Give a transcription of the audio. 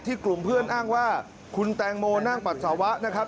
กลุ่มเพื่อนอ้างว่าคุณแตงโมนั่งปัสสาวะนะครับ